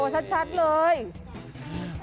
โชว์ชัดเลย